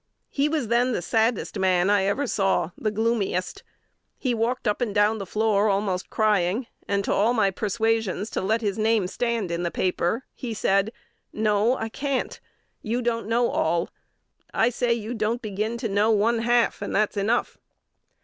He was then the saddest man I ever saw, the gloomiest. He walked up and down the floor, almost crying; and to all my persuasions to let his name stand in the paper, he said, 'No, I can't. You don't know all. I say you don't begin to know one half, and that's enough.'